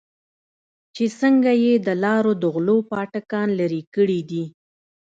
چې څنگه يې د لارو د غلو پاټکان لرې کړې دي.